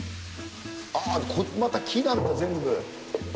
ああ、また木なのか、全部。